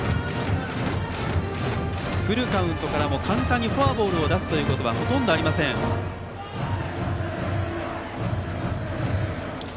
フルカウントからも簡単にフォアボールを出すことはほとんどありません、湯田。